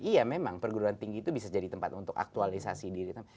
iya memang perguruan tinggi itu bisa jadi tempat untuk aktualisasi diri